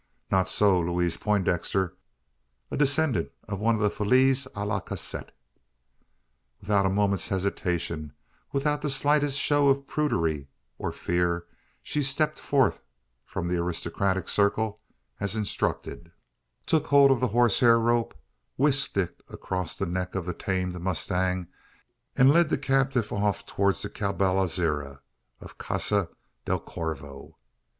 Not so Louise Poindexter a descendant of one of the filles a la casette. Without a moment's hesitation without the slightest show of prudery or fear she stepped forth from the aristocratic circle; as instructed, took hold of the horsehair rope; whisked it across the neck of the tamed mustang; and led the captive off towards the caballeriza of Casa del Corvo.